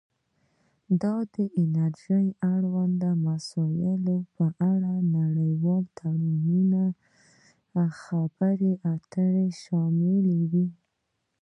دا د انرژۍ اړوند مسایلو په اړه د نړیوالو تړونونو خبرې اترې شاملوي